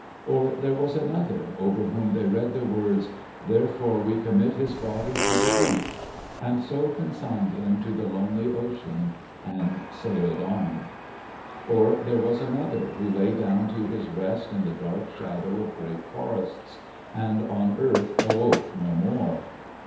' Or there was another, over whom they read the words, ' Therefore we commit 22 WHAT CHRISTMAS IS AS WE GROW OLDER his body to the deep,' and so consigned him to tlic lonely ocean and sailed on. Or there was another, who lay down to his rest in the dark shadow of great forests, and, on earth, awoke no more.